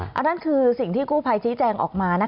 อันนั้นคือสิ่งที่กู้ภัยชี้แจงออกมา